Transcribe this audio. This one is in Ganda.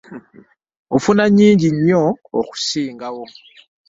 Ofuna nnyingi nnyo okunsinga.